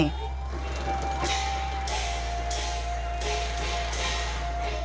tetapi sesungguhnya tidak ada istilah tahun baru imlek bagi orang hokkien